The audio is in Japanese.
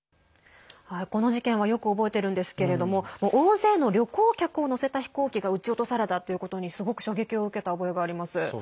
この事件はよく覚えているんですけれども大勢の旅行客を乗せた飛行機が撃ち落とされたということにすごく衝撃を受けた覚えがあります。